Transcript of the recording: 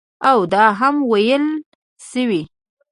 او دا هم ویل شوي